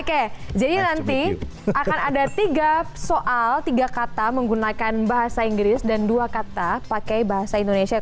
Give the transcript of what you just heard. oke jadi nanti akan ada tiga soal tiga kata menggunakan bahasa inggris dan dua kata pakai bahasa indonesia